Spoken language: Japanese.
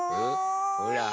ほら！